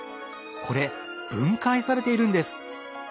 これ分解されているんです。